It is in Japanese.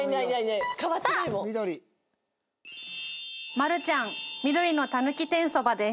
マルちゃん緑のたぬき天そばです。